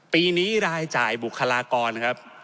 ปีนี้รายจ่ายบุคลากรครับ